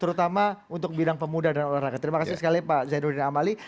terutama untuk bidang pemuda dan olahraga terima kasih sekali pak zainuddin amali